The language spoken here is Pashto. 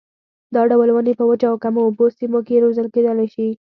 دا ډول ونې په وچو او کمو اوبو سیمو کې روزل کېدلای شي.